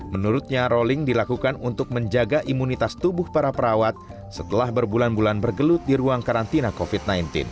menurutnya rolling dilakukan untuk menjaga imunitas tubuh para perawat setelah berbulan bulan bergelut di ruang karantina covid sembilan belas